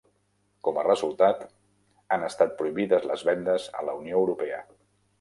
Com a resultat, han estat prohibides les vendes a la Unió Europea.